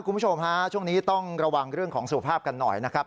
คุณผู้ชมฮะช่วงนี้ต้องระวังเรื่องของสุขภาพกันหน่อยนะครับ